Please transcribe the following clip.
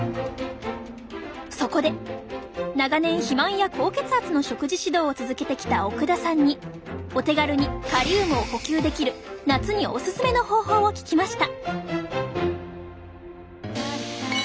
そこで長年肥満や高血圧の食事指導を続けてきた奥田さんにお手軽にカリウムを補給できる夏におすすめの方法を聞きました！